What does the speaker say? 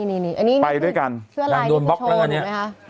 อันนี้ไปด้วยกันนางโดนบล็อกละกันเนี่ย